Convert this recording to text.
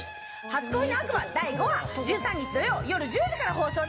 『初恋の悪魔』第５話１３日土曜夜１０時から放送。